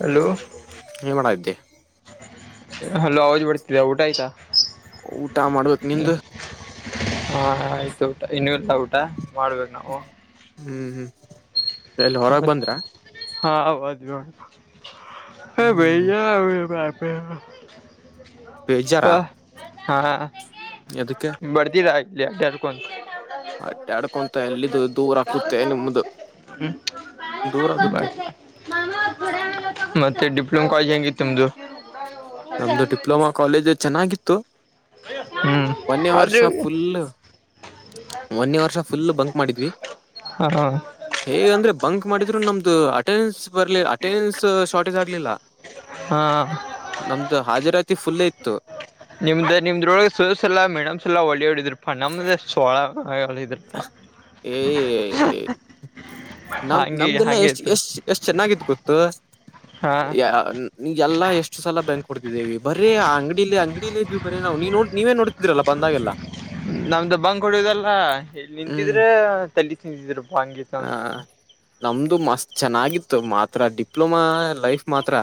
Hello ಏನ್ ಮಾಡಾದ್ದೆ hello ಅವಜ್ ಬರ್ತಿದೆ ಊಟ ಆಯ್ತಾ ಊಟ ಮಾಡ್ಬೇಕಕ್ ನಿಂದ್ದು ಹಾ ಆಯ್ತು ಊಟ ಇನ್ನುೂರ್ತ ಊಟ ಮಾಡ್ಬೇಕು [inaudible] ಹ್ಮ್ ಹ್ಮ್ ಎಲ್ಲಿ ಹೊರಗ್ ಬಂದ್ರ ಹಾವಾಜ ಭೈಯ ಹ್ಮ್ ಅವ ಬೇಜಾರಾ ಹಾ ಎದಕ್ಕೆ [inaudible] ಬರ್ದಿರ ಇಲ್ಲಿ ಅಡರ್ಕನ್ [inaudible] ಅಡ್ಡಾಡ್ಕೊಂತ ಯಾವ್ರೆ ಎಲ್ಲಿದು ದೂರ ಆಕುತ್ತೆ ನಿಮ್ದು ದೂರ ಆಗುತ್ತೆ ಮತ್ತೆ ಡಿಪ್ಲೊಮ ಕಾಲೇಜ್ ಹೆಂಗಿತ್ತು ನಿಮ್ದು ನಮ್ದು ಡಿಪ್ಲೊಮಾ ಕಾಲೇಜ್ ಚೆನ್ನಾಗಿತ್ತು ಹ್ಮ್ ಪೊನ ಆದ್ರೂ ವರ್ಷಫುಲ್ಲಲ್ [inaudible] ಮನ್ನೇ ವರ್ಷ ಫುಲ್ ಬಂಕ್ ಮಾಡಿದ್ವಿ ಹಾ ಹೇಗ ಅಂದ್ರೆ ಬಂಕ್ ಮಾಡಿದ್ರು ನಮ್ದು ಅಟೆಂಡೆನ್ಸ್ ಬರ್ಲಿ ಅಟೆಂಡನ್ಸ್ ಶಾರ್ಟೇಜ್ ಆಗ್ಲಿಲ್ಲ ಹಾ ನಮ್ದು ಹಾಜರಾತಿ ಫುಲ್ಲ ಇತ್ತು ನಿಮ್ದ ನಿಮ್ದ್ರೊಳಗೆ ಸೋಸ ಎಾ ಮೇಡಮ್ಸ ಎಲ್ಲಾ ಹೊಳ್ಳಿ ಹೊಡಿದ್ರ ಪ ನಮ್ದ ಸೋಳ್ರರು [inaudible] ಏ [inaudible] ನಮ ಹಂಗೆ ನಮ್ದಲ್ಲಾ ಹಂಗೆ ಎಷ್ಟ್ ಇತ್ತು ಎಷ್ಟ್ ಎಷ್ಟ್ ಚೆನ್ನಾಗತ್ತು ಗೊತ ಹಾ ನಿಂದ ಎಲ್ಲಾ ಎಷ್ಟು ಸಲ ಬೆಂಕ್ ಕೊಡ್ತಿದ್ದೀವಿ ಬರಿ ಆ ಅಂಗಡಿಲೇ ಅಂಗಡಿಲೇ ಇದ್ ಬರೆ ನಾವು ನೀ ನೋ ನೀವೇ ನೋಡ್ ತಿರಲ್ಲ ಬಂದಾಗೆಲ್ಲ ನಮ್ದ ಬಂಕ್ ಹೊಡ್ಯದಲ್ಲ ಇಲ್ಲಿ ಹ್ಮ್ ನಿಂತಿದ್ರೆ ತೆಲ್ಲಿ ತಿಂತಿದ್ರಪ್ರ ಅಂಗೀತ ಆ ಅಂತ ನಮ್ದು ಮಸ್ತ್ ಚೆನ್ನಾಗಿತ್ತು ಮಾತ್ರ ಡಿಪ್ಲೊಮಾ ಲೈಫ್ ಮಾತ್ರ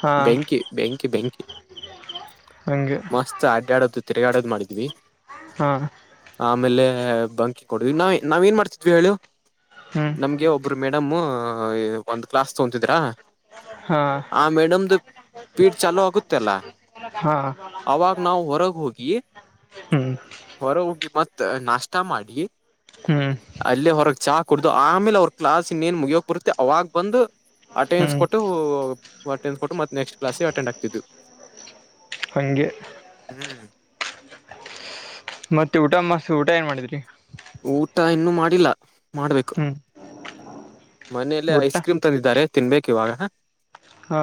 ಹಾ ಬೆಂಕಿ ಬೆಂಕಿ ಬೆಂಕಿ ಹಂಗೆ ಅಡ್ಯಾಡೋದು ತಿರ್ಗಾಡದ್ ಮಾಡದ್ವಿ ಹಾ ಆಮೇಲೆ ಬಂಕಿ ಕೊಡ್ವಿ ನಾವ ನಾವ ಏನ್ ಮಾಡ್ತಿದ್ವಿ ಹೇಳು ಹ್ಮ್ ನಮ್ಗೆ ಒಬ್ರು ಮೇಡಮ್ ಒಂದ್ ಕ್ಲಾಸ್ ತೊಂತಿದರಾ ಹಾ ಮೇಡಮ್ದ ಪೀಡ್ ಚಾಲೊ ಆಗುತ್ತಲ್ಲ ಹಾ ಅವಾಗ ನಾವ ಹೊರಗ್ ಹೋಗಿ ಹ್ಮ್ ಹೊರ ಹೋಗಿ ಮತ್ತ್ ನಾಷ್ಟ ಮಾಡಿ ಹ್ಮ್ ಅಲ್ಲೇ ಹೊರಗ್ ಚಾ ಕುಡ್ದು ಆಮೇಲೆ ಅವ್ರ ಕ್ಲಾಸ ಇನೇನ ಮುಗಿಯುಕ್ ಬರುತ್ತೆ ಅವಾಗ ಬಂದು ಅಟೆಂಡೆನ್ಸ್ ಹ್ಮ್ ಕೊಟ್ಟು ಅಟೆಂಡೆನ್ಸ್ ಕೊಟ್ಟು ಮತ್ತ ನೆಕ್ಸ್ಟ್ ಕ್ಲಾಸಿಗ ಅಟೆಂಡ್ ಆಗ್ತಿದ್ದವಿ ಹಂಗೆ ಹ್ಮ್ ಮತ್ತೆ ಊಟ ಮತ್ ಊಟ ಏನ್ ಮಾಡಿದ್ರಿ ಊಟ ಇನ್ನೊ ಮಾಡಿಲ್ಲ ಮಾಡ್ಬೇಕು ಹ್ಮ್ ಮನೇಲ್ಲೆ ಊಟ ಐಸ್ ಕ್ರೀಮ್ ತಂದಿದ್ದಾರೆ ತಿನ್ಬೇಕ ಇವಾಗ ಹಾ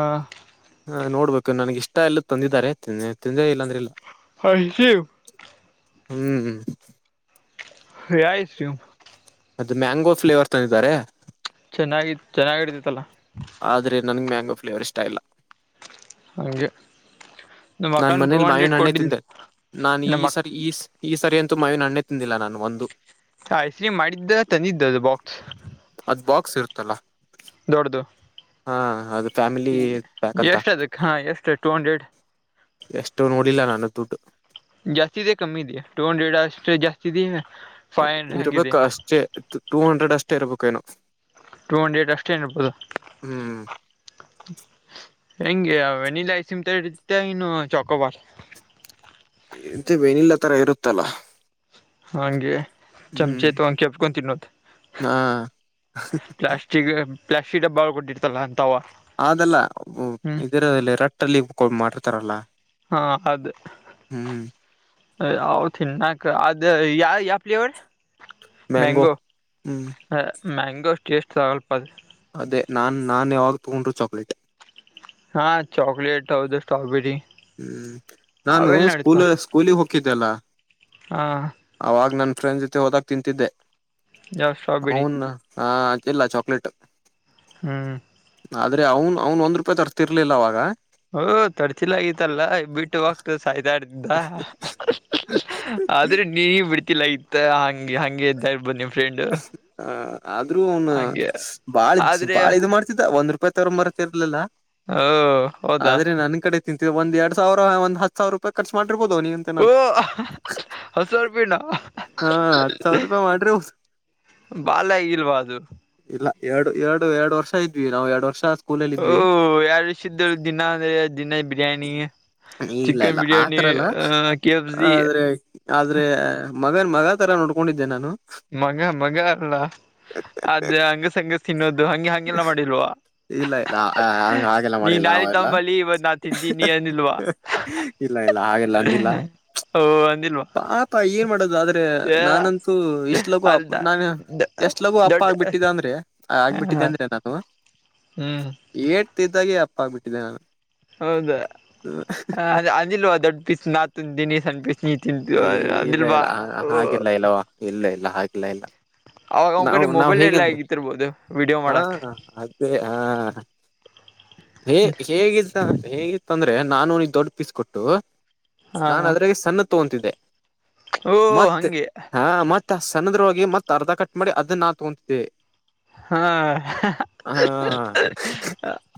ಹ ನೋಡ್ಬೇಕು ನನ್ಗೆ ಇಷ್ಟ ಇಲ್ಲದ ತಂದಿದ್ದಾರೆ ತಿಂದರೇ ತಿಂದೇ ಇಲ್ಲಾಂದ್ರೆ ಇಲ್ಲ ಐಸ್ ಕ್ರೀಮ್ ಹ್ಮ್ ಹ್ಮ್ ಯಾ ಐಸ್ ಕ್ರೀಮ್ ಅದು ಮ್ಯಾಂಗೋ ಫ್ಲೇವರ್ ತಂದಿದ್ದಾರೆ ಚೆನ್ನಾಗಿ ಚೆನ್ನಾಗಿರ್ತಿತ್ತಲ್ಲ ಆದ್ರೆ ನನ್ಗ ಮ್ಯಾಂಗೋ ಫ್ಲೇವರ್ ಇಷ್ಟ ಇಲ್ಲ ಹಂಗೆ ನಮ್ಮ ನಾನ್ ಅಕ್ಕನ್ ಪ್ರೂವ್ ಮನೇಲ ಹಂಡ್ರೆಡ್ ಮಾವಿನ ಹಣ್ಣೆ ಕೊಟ್ಟಿಲ್ ತಿಂದೆ ನಾನ್ ಈ ನಮ್ಮ ಅಕ್ಕ ಸಾರಿ ಈ ಈ ಸಾರಿ ಅಂತೂ ಮಾವಿನ ಹಣ್ಣೆ ತಿಂದಿಲ್ಲ ನಾನು ಒಂದು ಐಸ್ ಕ್ರೀಮ್ ಮಾಡಿದ್ದ ತಂದಿದ್ದ ಅದು ಬಾಕ್ಸ್ ಅದ್ ಬಾಕ್ಸ್ ಇರ್ತಲ್ಲ ದೊಡ್ಡದು ಹಾ ಅದು ಫ್ಯಾಮಿಲಿ ಪ್ಯಾಕ್ ಅಂತ ಎಷ್ಟು ಅದಕ್ಕೆ ಹಾ ಎಷ್ಟು ಟೂ ಹಂಡ್ರೆಡ್ ಎಷ್ಟು ನೋಡಿಲ್ಲ ನಾನು ದುಡ್ಡು ಜಾಸ್ತಿದೆ ಕಮ್ಮಿದಿಯಾ ಟೂ ಹಂಡ್ರೆಡಷ್ಟ ಜಾಸ್ತಿದೆ ಇರ್ಬೇಕ ಅಷ್ಟೇ ಟೂ ಹಂಡ್ರೆಡ್ ಅಷ್ಟೇ ಇರ್ಬೇಕೆನೋ ಟೂ ಹಂಡ್ರೇಡ್ ಅಷ್ಟೇ ಇರ್ಬೋದು ಹ್ಮ್ ಹೆಂಗೆ ವೆನಿಲ್ಲಾ ಐಸ್ ಕ್ರೀಮ್ ತರ ಇರುತ್ತೆ ಏನು ಚೊಕೊಬಾರ ಎಂತಿ ವೆನಿಲ್ಲಾ ತರ ಇರುತ್ತಲ್ಲಾ ಹಂಗೆ ಹ್ಮ್ ಚಮಚೆ ತ್ ಕೆಪ್ಕೊ ತಿನ್ನೋದು ಹಾ ಪ್ಾಸ್ [inaudible] ಚಗ ಪ್ಲಾಸ್ಟಿಕ್ ಹಬ್ಬಾಳ್ ಕೊಟ್ಟಿರ್ತಲ್ಲ ಅಂತವ ಅಲ್ಲ ಹ್ಮ್ ಇದರಲ್ಲಿ ರಟ್ಟಲ್ಲಿ ಮಾಡಿತಾರಲ್ಲ ಹಾ ಅದೇ ಯಾವ ತಿನ್ನಕ್ ಅದ ಯ ಯಾವ ಪ್ಲೇವರ್ ಮ್ಯಾಂಗೋ ಹ್ಮ್ ಮ್ಯಾಂಗೋಷ್ಟೇಷ್ಟಟ್ಗಲ್ಪ ಅದ ಅದೇ ನಾನ್ ನಾನ್ ಯಾವಾಗ ತೊಗೊಂಡ್ರು ಚಾಕ್ಲೇಟ್ ಹಾ ಚೊಕಲೆಟ್ ಹೌದು ಸ್ಟ್ರೋಬೇರಿ ಹ್ಮ್ ನಾನು ಸ್ಕೂಲ್ ಸ್ಕೂಲಿಗೆ ಹೋಗಕಿದ್ದೆಲ್ಲ ಹಾ ಅವಾಗ ನನ್ ಫ್ರೆಂಡ್ ಜೊತೆ ಹೋದಕ್ ತಿಂತಿದ್ದೆ ಯಾವ ಸ್ಟ್ರಾಬೆರಿ ಅವನ್ ಹಾ ಇಲ್ಲ ಚಾಕ್ಲೇಟ್ ಹ್ಮ್ ಆದ್ರೆ ಅವನ್ ಅವ್ನ್ ಒಂದ್ ರೂಪಾಯಿ ತರ್ತಿರ್ಲಿಲ್ಲ ಅವಾಗ ಹಓ ತರ್ಚಿಲ ಆಗತ್ತಲ್ಲಾ ಬಿಟ್ಟು ಹೋಗ್ತ ಸಾಯ್ಡ್ದಿದ್ದ ಆದ್ರೆ ನೀ ಬಿಡ್ತಿಲ್ಲ ಇತ್ ಹಂಗ ಹಗೆ ಇದ್ದ ಇರ್ಬೋದು್ ನಿಮ್ ಫ್ರೆಂಡು [inaudible] ಹ ಆದ್ರೂ ಅವನ್ ಬಾಳ್ ಆದ್ರೆ ಬಾಳ ಇದ್ ಮಾಡ್ತಿದ್ದ ಒಂದ್ ರೂಪಾಯಿ ತಗ ಬರತಿ ಇರ್ಲಿಲ್ಲಾ ಹ ಹೌದಾ ತಿಂತ ಒಂದ ಎರಡ್ ಸಾವರ ಒಂದ ಹ ಸಾವಿರ ರೂಾಯ ಖರ್ಚ ಮಾಡಿರ್ಬೋದು ನೀ ಓ ಹಸರ್ಪಿನ ಹಾ ಹತ್ ಸಾವಿರ ರೂಪಾಯಿ ಮಾಡಿರ್ಬೋದು ಬಾಲ್ ಆಗಿಲ್ವಾ ಅದು ಇಲ್ಲ ಎರಡು ಎರಡು ಎರಡು ವರ್ಷ ಇದ್ವಿ ನಾವ್ ಎರಡ್ ವರ್ಷ ಸ್ಕೂಲಲ್ಲಿ ಓಹ ಇದ್ವಿ ಯಾರ ಇಷ್ಟ ಇದ್ದರು ದಿನಾ ಅಂದ್ರೆ ದಿನ ಬಿರಿಯಾನಿ ಇಲ್ಲ ಚಿಕನ್ ಇಲ್ಲ ಬಿರಯಾನಿ ಆತರ ಅಲ್ಲ ಅ ಕೆ ಎಫ ಜಿ ಆದ್ರೆ ಆದ್ರೆ ಮಗನ್ ಮಗ ತರ ನೋಡ್ಕೊಂಡಿದ್ದೆ ನಾನು ಮಗ ಮಗ ಅಲ್ಲ ಅದೇ ಹಂಗಸ್ ಹಂಗಸ್ ತಿನ್ನೋದು ಹಗೆ ಹಗೆಲ್ಲ ಮಾಡಿಲ್ವಾ ಇಲ್ಲ ಇಲ್ಲ ಹಾಗೆಲ್ಲ ನೀ ಮಾಡಿಲ್ಲ ನಳಿ ನಾವೆಲ್ಲ ತಂಬಲ್ಲಿ ಇವತ್ ನಾ ತಿಂತೀನಿ ಅನಿಲ್ವಾ ಇಲ್ಲ ಇಲ್ಲ ಹಾಗೆಲ್ಲ ಒಂದಿಲ್ಲ ಓ ಅಂದಿಲ್ವಾ ಪಾಪಾ ಏನ್ ಮಾಡೋದು ಆದ್ರೆ ಏ ನಾನನ್ಸೂ ಅಲ್ದ ಇಷ್ಟಲಕ್ಕೂ ನಾನ ಎಷ್ಟ ಲಗು ಅಪ್ಪ ದೊಡ್ಡ ಆಗ್ಬಿಟ್ಟಿದ್ದೆ ಅಂದ್ರೆ ಹ ಆಗ್ಬಿಟ್ಟಿದ್ದೆ ಅಂದ್ರೆ ನಾನು ಹ್ಮ್ ಏಟ್ತಿದ್ದಾಗೆ ಅಪ್ಪ ಆಗ್ಬಿಟ್ಟಿದ್ದೆ ನಾನು ಹೌದಾ ಹ ಅದ ಅಂದಿಲ್ವಾ ದೊಡ್ಡ ಪೀಸ್ ನಾತು ದಿನ್ ಸಣ್ಣ ಪೀಸ್ ನೀ ತಿಂತು ಇಲ್ಲ ಅಂದಲ್ ಬ [inaudible] ಇಲ್ಲ ಹಾಗೆಲ್ಲ ಇಲ್ಲವಾ ಇಲ್ಲ ಇಲ್ಲ ಹಾಗಿಲ್ಲ ಇಲ್ಲ ಅವಾಗ ಒ ನಾವು ಕಡೆ ನಾವ್ ಮೊಬೈಲ್ ಎಲ್ಲ ಹೇಗಂದ್ರೆ ಆಗಿತಿರ್ಬೋದು ವಿಡಿಯೋ ಮಾಡಕ್ ಅದೇ ಹಾ ಹೇ ಹೇಗ ಹೇಗಿತ್ತ ಅಂದ್ರೆ ನಾನು ನೀ ದೊಡ್ಡ ಪೀಸ್ ಕೊಟ್ಟು ಹಾ ನಾನನ್ ಅದ್ರೆ ಸಣ್ಣದ ತಿದೆ ಓ ಮತ್ತೆ ಹಂಗೆ ಹ ಮ ಮ ಸಣ್ಣದ್ರ ಹಿ ಮತ್ತತ್ ಅರ್ಧ ಕಟ್ ಮಾಡಿ ಅದನ್ನಾ ತಗೊತಿದ್ದೆ ಹಾ ಹ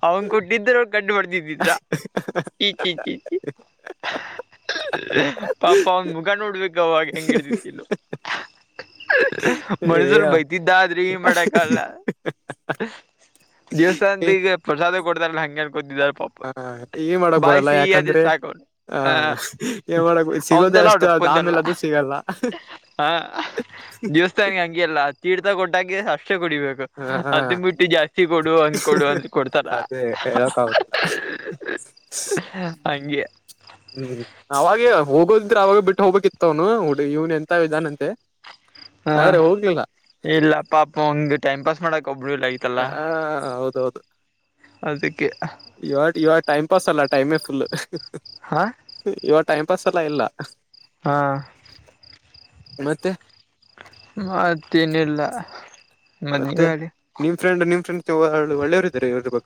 ಅವನ್ ಕೊಟ್ಟಿದ್ರ ಕಡ್ಂಡ ಬರ್ದಿದ್ದಿದ್ರ ಹ ಚ ಚಿ ಚಿ ಚಿ ಪಾಪ ಒಂದ ಮುಗ ನೋಡ್ಬೇಕು [inaudible] ಅವಾಗ ಹೆಂಗಿಡ್ದಿತಿಲ್ಲ ಏ ಮಣಸಲ್ ಬೈತಿದ್ದಾದ್ರಿ ಮಾಡಕ ಲ್ಲ ದಿವ್ಸ್ಥಾಾನ ಏ ಈಗ ಪ್ರಸಾದ ಕೊಡ್ತಾರಲ್ಲ ಹಗೆ ದಿದಾರ ಪಪ್ಪ ಏನ್ ಮಾಡಕ್ ಬರಲ್ಲ ಬಾಯಿಸಿಹಿಯದರೆ ಯಾಕಂದ್ರೆ ಸಾಕು ಅವ್ನ್ ಹಾ ಏನ್ ಮಾಡಕ್ ಸಿಗೋದೇ ಅಷ್ಟೇ ಅ ಅವಡಪ್ಪಂದಲ್ಲ ಆಮೇಲೆ ಅದು ಸಿಗಲ್ಲ ಹ ದೇವಸ್ಥಾನಗೆ ಹಂಗಿ ಅಲ್ಲ ತೀರ್ಥ ಕೊಟ್ಟಾಗಿ ಅಷ್ಟೇ ಕುಡಿಬೇಕು ಹ ಹಾ ಅದ ಬಿಟ್ಟು ಜಾಸ್ತಿ ಕೊಡು ಹಂಗ ಕೊಡು ಅಂದ ಕೊಡ್ತಾರ ಅದೇ ಹೇಳಕ್ ಆಗುದಿಲ್ಲ ಹಂಗೆ ಹ್ಮ್ ಅವಾಗ ಹೋಗೋದಿದ್ರೆ ಅವಾಗ ಬಿಟ್ಟು ಹೋಗ್ಬೇಕಕ್ಿತ್ತವನುಡಿ ಇವನ್ ಎಂತ ವಿಧಾನಂತೆ ಹಾ ಇಲ್ಲ ಪಾಪ ಹಂಗ್ ಟೈಮ್ ಪಾಸ್ ಮಾಡಕ್ ಒಬ್ಬರು ಇಲ್ಲ ಆಯ್ತಲ್ಲ ಹ ಹೌದೌದು ಅದಕ್ಕೆ ಇವ ಇವಾಗ ಟೈಮ್ ಪಾಸ್ ಅಲ್ಲ ಟೈಮೇ ಫುಲ್ ಹಾ ಇವಾಗ ಟೈಮ್ ಪಾಸ್ ಎಲ್ಲಾ ಇಲ್ಲ ಹಾ ಮತ್ತೆ ಮತ್ತೇನ ಇಿಲ್ಲ ಮತ್ತೆ ನಿಮ್ ಫ್ರೆಂಡ್ ನಿಮ್ ಫ್ರೆಂಡ್ ಒಳ್ಳೆಯವರು ಇದ್ದಾರೆ ಇವ್ರ ಬು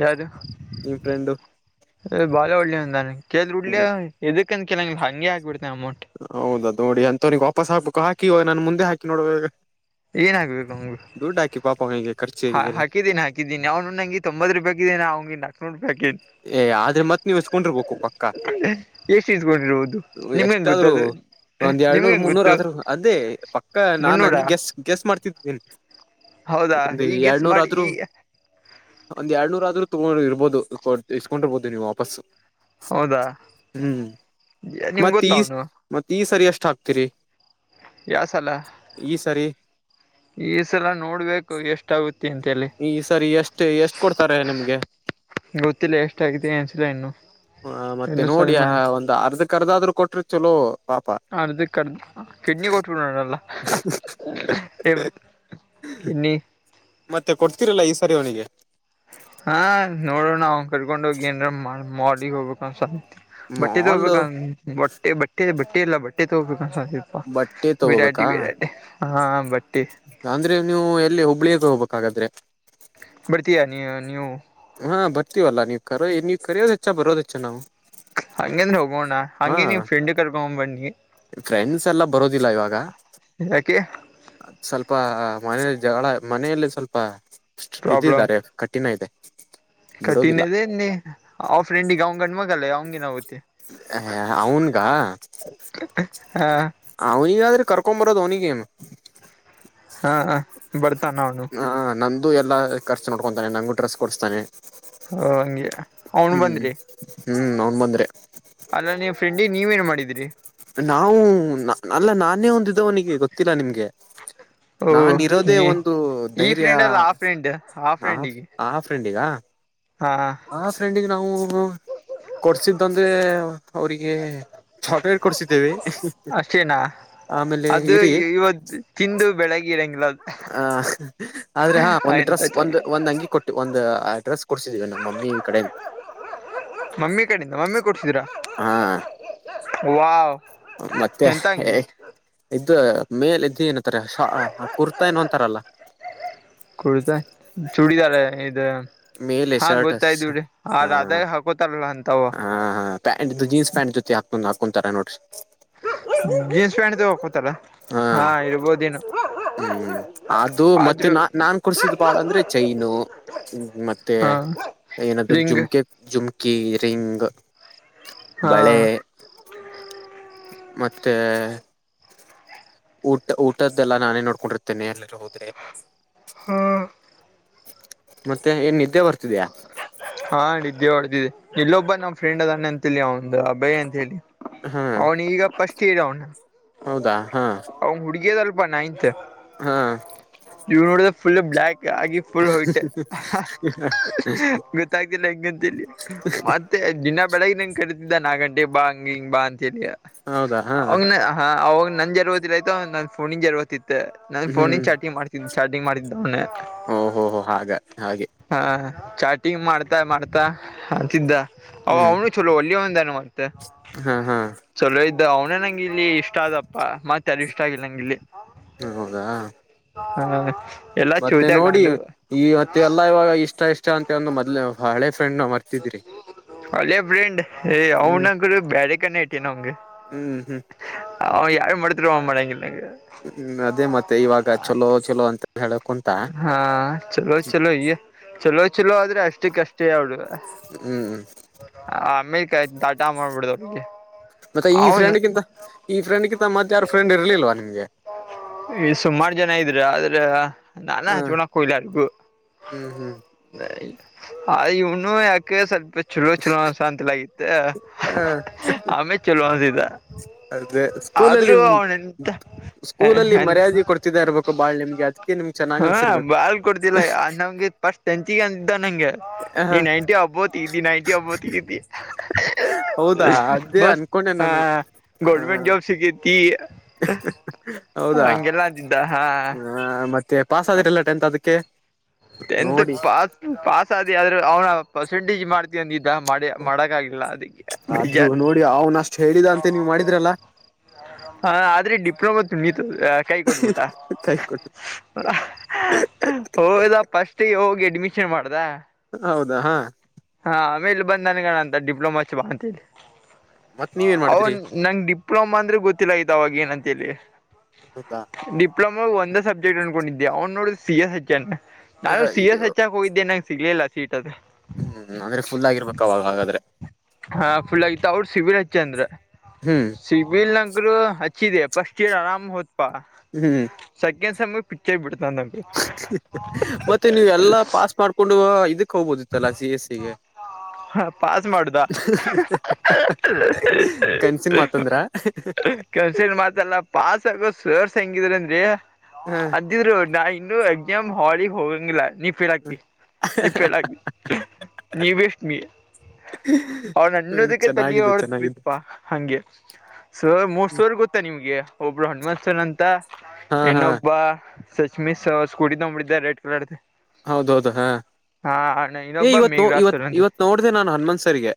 ಯಾರಾರು ಬಾಳ ಒಳ್ಳೆಾನ ಕೇಳ ಉಡ್ಲಿ ಹ್ಮ್ ಇದಕ್ಕಂತ ಕೆೇಳಂಗಿಲ್ಲ ಹ ಹಾಗ ಹ ಆಕ್ಬಿಡ್ತೆನೆ ಅಮೌಂಟ್ ಹೌದ ನೋಡಿ ಅಂತವನಿಗೆ ವಾಪಸ್ ಹಾಬೇಕು ಹಾಕಿ ನಾನ್ ಮುಂದೆ ಹಾಕಿ ನೋಡವಗ ಏನ್ ಆಗ್ಬೇಕು ನಮ್ ದು ಡಾಕಿಾಪಂಗೈ ಹಾ ಹಾಕಿದ್ದಿನಿ ಹಾಕಿದ್ದೀನಿ ಅವನು ನಂಗೆ ತೊಂಬತ್ ರೂಪಾಯಿಕಿದ್ದಿನಾ ಅವ್ ನಾಕನೂರು ರೂಪಾಯಕಿ ಏ ಆದ್ರೆತ್ ನೀ್ ಎಸ್ಕೊಂಡಿರ್ಬೇಕು ಪಕ್ಕ ಎಷ್ಟು ಇತ್ಕೊಂಡಿರ್ಬೋದು ನಿಮ್ಗೆ ಹೆಂಗ ಎಷ್ಟಾದ್ರು ಗೊತ್ತಾದ ಒಂದ್ ಎಏಳ್ನೂರ್ ಮುನ್ನೂರ್ ಆದರು ಅದೇ ಪಕ್ಕ ನಾನ್ ಹಂಗೆ ಮುನ್ನೂರಾ ಗೆಸ್ಟ್ ಗೆಸ್ಟ್ ಮಾಡ್ತಿದ್ದಿದ್ದೇನೆ ಹೌದಾ ಒಂದು ಈ ಗೆಸ್ ಎರಡ್ನೂರ ಮಾಡಿ ಆದ್ರೂ ಈ ಒಂದ್ ಎರಡ್ನೂರ ಆದ್ರೂ ತಗೊಂಡ ಇರ್ಬೋದು ಕೊಡ್ ಇಸ್ಕೊಂಡಿರ್ಬೋದು ನೀವು ವಾಪಸ್ ಹೌದಾ ನಿಮ್ಗೆ ಗೊತ್ತ ಅವನು ಮತ್ತತ್ ಈ ಸರಿ ಎಷ್ಟ ಹಾಕ್ತಿೀರಿ ಯಾ ಸಲ ಸರಿ ಈ ಸಲ ನೋಡ್ಬೇಕು ಎಷ್ಟಾಗುತ್ತೆ ಅಂತ ಎಲ್ಲ ಈ ಸರಿ ಎಷ್ಟು ಎಷ್ಟ್ ಕೊಡ್ತಾರೆ ನಿಮ್ಗೆ ಗೊತ್ತಿಲ್ಲ ಎಷ್ಟ ಆಗಿದೆ ಅನ್ಸಿಲ್ಲ ಇನ್ನು ಹ ಮತ್ತೆ ಇನ್ನು ಸಲ ನೋಡಿ ಒಂದ್ ಅರ್ಧಕ್ ಅರ್ಧ ಆದ್ರರು ಕೊಟ್ರಿ ಚಲೋ ಪಾಪ ಅರ್ಧಕ್ಕರ್ದು ಕಿಡ್ನಿ ಕೊಟ್ಟಕ ನಡಲ್ಲ ಕಿಡ್ನಿ ಮತ್ತೆ ಕೊಡ್ತಿರಲ್ಲ ಈ ಸರಿವಣಿಗೆ ಹಾ ನೋಡಣ ನಾವ ಕರ್ಕೊಂಡ ಹೋಗಿ ಏನ್ರ ಮಗ್ ಹೋಗ್ಬೇಕು ಒಂದಸಂತ ಬಟ್ಟೆ ಮಾಲ್ ತಗೋಬೇಕ ಬಟ್ಟೆ ಬಟ್ಟೆ ಬಟ್ಟೆ ಎಲ್ಲ ಬಟ್ಟೆ ತಗೋಬೇಕ ಸಾಧ್ಯ ಬಟ್ಟೆ ಬಿರಾಟಿ ತಗೋಬೇಕಾ ಬಿರಾಟಿ ಹಾ ಬಟ್ಟಿ ಅಂದ್ರೆ ನೀವು ಎಲ್ಲ ಹುಬ್ಳಿಯ ಹೋಗ್ಬೇಕ ಹಾಗಾದ್ರೆ ಬರ್ತೀಯಾ ನೀ ನೀವು ಹಾ ಬರ್ತೀವಲ್ಲ ನೀವ್ ಕರೋ ನೀವ್ ಕರೆಯೋದು ಹೆಚ್ಚ ಬರೋದು ಹೆಚ್ಚ ನಾವು ಹಂಗಂದ್ರ ಹೋಗೋಣ್ಣ ಹಾ ಹಂಗಗೆ ನೀವ ಫ್ರೆಂಡ್ ಕರ್ಕೊಂಡ್ ಬನ್ನಿ ಫ್ರೆಂಡ್ಸ್ ಎಲ್ಲ ಬರೋದಿಲ್ಲ ಇವಾಗ ಯಾಕೆ ಸ್ವಲ್ಪ ಮನ ಜಗಳ ಮನೆಯಲ್ಲಿ ಸ್ವಲ್ಪ ಬ್ಯುಸಿ ಇದ್ದಾರೆ. ಕಠಿಣ ಇದೆ. ಬಿಡೋದಿಲ್ಲ ಕಠಿಣ ಅದಿ ಆ ಫ್ರೆಂಡ್ಗೆ ಅವಂಗ ಗಣ ಮಗಲ್ಲ ಅವಂಗನ್ ಆಗತಿ. ಹೆ ಹೆ ಅವ್ನಗ. ಹಾ ಅವನಿಗಾದ್ರೆ ಕರ್ಕೊ ಬರೋದು ಅವನಿಗಿ. ಹಾ ಬರ್ತನ ಅವನು. ಹಾ ನಂದು ಎಲ್ಲ ಖರ್ಚು ನೋಡ್ಕೊಂತಾನೆ ನಂಗು ಡ್ರೆಸ್ ಕೊಡಸ್ತಾನೆ. ಹ ಹಂಗೆ ಅವನು ಬಂದ್ರಿ. ಹ್ಮ್ ಅವ್ನ್ ಬಂದ್ರೆ ಅಲ್ಲ ನೀವು ಫ್ರೆಂಡಿ ನೀವ ಏನ್ ಮಾಡಿದ್ರಿ. ನಾವು ಅಲ್ಲ ನಾನೇ ಒಂದಿದ್ದವನಿಗೆ ಗೊತ್ತಿಲ್ಲ ನಿಮ್ಗೆ. ಓ ನಾನ ಇರೋದೇ ನೀ ಒಂದು ಈ ಧೈರ್ಯ ಫ್ರೆಂಡ್ ಅಲ್ಲ ಆ ಫ್ರೆಂಡ್ ಆ ಆದೆ. ಫ್ರೆಂಡಿಗೆ ಆ ಫ್ರೆಂಡಿಗ ಹಾ ಆ ಫ್ರೆಂಡಿಗೆ ನಾವು. ಕೊಡ್ಸಿದಂದ್ರೆ ಅವ್ರಿಗೆ [unintelligible] ಕೊಡ್ಸಿದ್ದೇವಿ ಆಮೇಲೆ ಇರಿ. ಇವತ್ತು. ತಿಂದು ಬೆಳಗಿ ಇರಂಗಲ. ಹ ಆದ್ರೆ ಹಾ ಒಂದ ಎಂತ ಡ್ರೆಸ್ ಚಲ ಒಂದು ಒಂದ್ ಅಂಗಿ ಕೊಟ್ಟ. ಒಂದು ಅಡ್ರೆಸ್ ಕೊಡ್ಸಿದೀವಿ ನಮ್ಮ ಮಮ್ಮಿ ಕಡೆ. ಮಮ್ಮಿ ಕಡೆಯಿಂದ ಮಮ್ಮಿ ಕೊಡ್ಸಿದ್ರ ಹಾ ವಾವ್. ಮತ್ತೆ ಎಂತ ಅಂಗಿ ಇದ್ದ ಮೇಲೆದು ಏನಂತಾರೆ ಕುರ್ತಾ ಏನು ಅಂತಾರಲ್ಲ. ಕುಡಿತಾ ಚೂಡಿದಾರ ಇದ್. ಮೇಲೆ ಹಾ ಶರ್ಟ್ ಹ ಗೊತ್ತಾಯ್ತುರಿ ಆ ರಾಧಾಗ ಹಾಕೋತಾರಲ್ಲ ಅಂತವ. ಹಾ ಹಾ ಪ್ಯಾಂಟ್ ಜೀನ್ಸ್ ಪ್ಯಾಂಟ್ ಜೊತೆ ಹಾಕೊಂಡ್ ಹಾಕೊಂತಾರ ನೋಡ್ರಿ. ಜೀನ್ಸ್ ಪ್ಯಾಂಟ್ ತ ಹೋಗಕೋತಲ್ಲ ಹಾ ಇರ್ಬೋದು. ಹ್ಮ್ ಅದು ಮತ್ತೆ ಆದ್ರೂ ನಾ ನಾನ್ ಕುಡ್ಸಿದ ಬಾಳ ಅಂದ್ರೆ ಚೈನು. ಹ್ಮ್ ಮತ್ತೆ ಹಾ ಏನಾದ್ ರಿಂಗ್ ಜುಮ್ಕೆ. ಜುಮ್ಕಿ, ರಿಂಗ್, ಹಾ ಬಳೆ. ಮತ್ತೆ. ಊಟ ಊಟದ್ದೆಲ್ಲಾ ನಾನೇ ನೋಡ್ಕೊಂಡಿರ್ತೇನೆ ಎಲ್ಲಿರ ಹೋದ್ರೆ. ಹಾ ಮತ್ತೆ ಏನ್ ನಿದ್ದೆ ಬರ್ತಿದಯಾ. ಹಾ ನಿದ್ದೆ ಹೊಡೆದಿದ್ದಿದೆ ಇಲ್ಲೊಬ್ಬ ನಮ್ಮ್ ಫ್ರೆಂಡ್ ಅದಾನ ಅಂತ ಹೇಳಿ ಅವ ಒಂದು ಅಬಯಿ ಅಂತ ಹೇಳಿ. ಹಾ ಅವನು ಈಗ ಫಸ್ಟ್ ಇಯರ್ ಅವನು. ಹೌದಾ ಹಾ. ಅವನ ಹುಡ್ಗ್ಯದಲ್ಪ ನ ಇತ್. ಹಾ. ನೀವು ನೋಡಿದೆ ಫುಲ್ ಬ್ಯಾಕ್ ಆಗಿ ಫುಲ್ ವೈಟ್. ಹ ಗೊತ್ತಾಗ್ತಿಲ್ಲ ಹೆಂಗಂತಲ್ಲಿ ಮ ಮತ್ತೆ ದಿನಾ ಬೆಳಗ್ ನಂಗಗೆ ಕರೀತಿದ್ದ ನಾಕ್ ಗಂಟೆ ಬಾ ಹಂಗ ಹಿಂಗ ಬಾ ಅಂತ. ಹೌದಾ ಹಾ ಅವ ಹ ಅವಾಗ ನನ್ ಜರ್ವತಿಲ್ಲಯ್ತೋ ನನ್ ಫೋನಿ ಜರ್ವತಿತ್ತ. ನಾನನ್ ಫೋನ್ ಹ್ಮ್ ಚಾರ್ಜಯಿಂಗ್ ಚಾಟಿಂಗ್ ಮಾಡಿದ್ದ್ ಅವನೆ. ಓಹೋಹೋ ಹಾಗ ಹಾಗೆ. ಹಾ ಚಾಟಿಂಗ್ ಮಾಡ್ತಾ ಮಾಡ್ತಾ ಅಂತಿದ್ದ ಅವ ಹ್ಮ್ ಅವನು ಚಲೋ ಒಲ್ಲಿ ಒಂದಾನ. ಹಾ ಹಾ. ಚಲೋ ಇದ್ದ ಅವ್ನೇ ನಂಗ ಇಲ್ಲಿ ಇಷ್ಟ ಆದದಪ್ಪ ಮತ್ತ ಯಾರಿ ಇಷ್ಟ ಆಗಿಲ್ಲ ನಂಗ ಇಲ್ಲಿ. ಹೌದಾ. ಹಾ ಅಣ್ಣ. ಮತ್ತೆ ನೋಡಿ ಇವತ್ತ ಎಲ್ಲಾ ಇವಾಗ ಇಷ್ಟ ಇಷ್ಟ ಅಂತ ಅಂದು ಮೊದ್ಲೆ ಹಳೆ ಫ್ರೆಂಡ್ ನ ಮರ. ಹಳೆ ಫ್ರೆಂಡ್ ಏ ಹ್ಮ್ ಅವನಂತ್ರು ಬ್ಯಾರೆ ಕಡೆನ ಇಟ್ಟಿನಿ ಅವಂಗ. ಹ್ಮ್ ಹ್ಮ್. ಅವ ಆಗಿ ಹೈ ಮಾಡಿದ್ರು ಅವ ಮಾಡಂಗಿಲ್ಲ ನಂಗ. ಹ್ಮ್ ಅದೇ ಮತ್ತೆ ಇವಾಗ ಚಲೋ ಚಲೋ ಅಂತ ಹೇಳ ಕುಂತ. ಹಾ ಚಲೋ ಚಲೋ ಈ ಚಲೋ ಚಲೋ ಆದ್ರೆ ಅಷ್ಟಕ ಅಷ್ಟೇ ಅವರು. ಹ್ಮ್ ಆಮಿಕೆ ಟಾಟಾ ಮಾಡಿ ಬಿಡುದು. ಮತ್ತೆ ಈ ಫ್ರೆಂಡ್ಗಿಂತ ಈ ಫ್ರೆಂಡ್ಗಿಂತ ಮತ್ತ ಯಾರು ಫ್ರೆಂಡ್ ಇರ್ಲಿಲ್ವಾ ನಿಮ್ಗೆ. ಈ ಸುಮಾರು ಜನ ಇದ್ರ ಆದ್ರ. ನಾನ ಹ ಹಚಕೋನ ಹೋಗ್ಲಿ ಅದಕು. ಹ್ಮ್ ಹ್ಮ್ ಆ ಇವನು ಯಾಕ ಸ್ವಲ್ಪ ಚಲೋ ಚಲೋ ಅನಸಾತಂಗಿಲ್ಲ. ಹ ಆಮೇಲೆ ಚಲೋ ಆದೀದ. ಅದೇ ಸ್ಕೂಲಲ್ಲಿ ಸ್ಕೂಲಲ್ಲಿ ಮರ್ಯಾದೆ ಕೊಡ್ತ. ಇರಬೇಕು ಬಾಳ ನಿಮ್ಗೆ. ಅದಕ್ಕೆ ನಿಮ್ಗೆ ಚೆನ್ನಾಗ್ ಹಾ ಅನ್ಸಿರ್ಬೇಕು ಬಾಳ ಕೊಡ್ತಿಲ್ಲ ಆ ನಮ್ಗೆ ಇದ ಪಸ್ಟ್ [unintelligible] ಅಂತಿದ್ದ ನಂಗೆ. ನೀ ನೈಂಟಿ ಅಬೊವ ತಗಿತಿ ನೈಂಟಿ ಅಬೊವ ತಗಿತಿ. ಹೌದಾ ಅದೇ ದೋಸ್ತ ಅನ್ಕೊಂಡೆ ಹಾ. ನಾನು ಹ ಗೋರ್ಮೆಂಟ್ ಜಾಬ್ ಸಿಗೇತಿ ಹೌದಾ ಹಂಗೆಲ್ಲ ಅಂದಿದ್ದ ಹಾ. ಹ ಮತ್ತೆ ಪಾಸ್ ಆದಿರಲ್ಲ ಟೆಂತ್ ಅದಕ್ಕೆ. ಟೆಂತ್ ನೋಡಿ ಪಾಸ ಪಾಸ ಆದಿ ಆದ್ರ ಅವ್ನ ಪರ್ಸೆಂಟೇಜ್ ಮಾರ್ಕ್ಸ್. ಮಾಡ್ತೀ ಅಂದಿದ್ದ ಮಾಡಿ ಮಾಡಕ ಆಗಿಲ್ಲ ಅದಕ್ಕೆ ಆದ್ರೂ ಬೇಜಾರ. ನೋಡಿ ಅವ್ನ ಅಷ್ಟ್ ಹೇಳಿದ ಅಂತೆ ನೀವ್ ಮಾಡಿದ್ರಲ್ಲ ಹ ಆದ್ರೆ ಡಿಪ್ಲೊಮಾ ತು ನೀ ಕೈ ಕೊಟ್ಬಿಟ್ಟ. ಕೈ ಕೊಟ್ಟು ಹೋದ ಫಸ್ಟ್ ಗಿ ಹೋಗಿ ಅಡ್ಮಿಷನ್ ಮಾಡ್ದ. ಹೌದಾ. ಹಾ ಆಮೇಲೆ ಬಂದ ನನಗ ಅನಾತನ ಅಂತ ಡಿಪ್ಲೊಮಾ ಹಚ್ಚ ಬಾ ಅಂತೇಳಿ. ಮತ್ತ ನೀವ ಏನ ಮಾಡಿದ್ರಿ. ನಂಗ ಡಿಪ್ಲೋಮಾ ಅಂದ್ರೆ ಗೊತ್ತಿಲ್ಲ ಆಗಿತ್ತ ಅವಾಗ ಏನಂತೇಳಿ. ಹೌದಾ ಡಿಪ್ಲೊಮಾ ಒಂದ ಸಬ್ಜೆಕ್ಟ್ ಅನ್ಕೊಂಡಿದಿದ್ದೆ ಅವ ನೋಡಿದ್ರ ಸಿ ಎಸ್ ಹಚ್ಯಾನ ನಾನು ಸಿ ಎಸ್ ಅಯ್ಯೋ ಹಚ್ಯಾನ. ಹೋಗಿದ್ದೆ ನಂಗ ಸಿಗ್ಲಿಲ್ಲ ಸೀಟ್ ಅದು. ಹ್ಮ್ ಹ್ಮ್ ಅಂದ್ರೆ ಫುಲ್ ಆಗಿರಬೇಕ ಅವಾಗ ಹಾಗಾದ್ರೆ. ಹಾ ಫುಲ್ ಆಗತ್ತು ಅವ್ರರು ಸಿವಿಲ್ ಹಚ್ಚ ಅಂದ್ರ. ಹ್ಮ್. ಸಿಬಿಲ್ ಅಂತ್ರು ಹಚ್ಚಿದೆ ಫಸ್ಟಗಿ ಆರಾಮ ಹೋತ್ಪಾ. ಹ್ಮ್. ಸೆಕೆಂಡ್ ಸೇಮ್ ಗ ಪಿಚ್ಚೆ ಬಿಡ್ತ ನನಗ. ಮತ್ತೆ ನೀವು ಎಲ್ಲಾ ಪಾಸ್ ಮಾಡ್ಕೊಂಡು ಇದಕ ಹೋಗ್ಬೋದಿತ್ತಲ್ಲಾ ಸಿ ಎಸ್ಸಿಗೆ. ಪಾಸ್ ಮಾಡುದ [unintelligible] ಕನ್ನಸಿನ ಮಾತಂದ್ರ. ಕಣ್ಣಸಿನ ಮಾತಲ್ಲ ಪಾಸ್ ಆಗುದ ಸರ್ಸ್ ಹೆಂಗಿದ್ರ ಅಂದಿ. ಹ್ಮ್. ಇದ್ದಿದ್ರು ನಾ ಇನ್ನು ಎಕ್ಸಾಮ್ ಹಾಲಿಗೆ ಹೋಗಂಗಿಲ್ಲ ನೀ ಫೇಲ್ ಆಗ್ತಿ ನೀ ಫೇಲ್ ಆಗ್ತಿ. ನೀವಷ್ಟ್ಮಿ ಅವ ಅನ್ನೋದಕ್ಕೆ ತಲಿ ಚೆನ್ನಾಗಿದೆ ಹೊಡೆದ ಚೆನ್ನಾಗಿದೆ ಬಿತ್ಪಾ. ಹಂಗೆ ಸರ್ ಮೂರ ಸರ್ ಗೊತ್ತಾ ನಿಮ್ಗೆ ಒಬ್ರು ಹನುಮಂತ ಸರ್ ಅಂತ. ಹಾ ಹಾ ಇನಬ ಸಚ್ಮಿ ಸ್ಕೂಟ ತ ಮಾಡಿಿದ ರೆಡ್ ಕಲರ್ ಹೌದೌದು ಹಾ ಏ ಇನ್ನೊಬ್ಬ ಇವತ್ತು ಮೇಘರಾಜ್ ಇವತ್ ಸರ್ ಅಂತ ಹೇಳಿ. ಇವತ್ ನೋಡಿದೆ ನಾನು ಹನುಮನ್ಸರಿಗೆ